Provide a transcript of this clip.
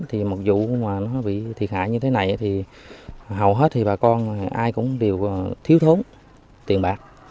thì một vụ mà nó bị thiệt hại như thế này thì hầu hết thì bà con ai cũng đều thiếu thốn tiền bạc